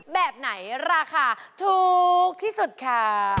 แบบไหนราคาถูกที่สุดค่ะ